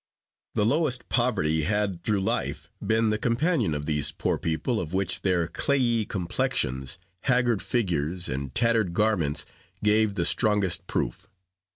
The lowest poverty had, through life, been the companion of these poor people, of which their clayey complexions, haggard figures, and tattered garments gave the strongest proof.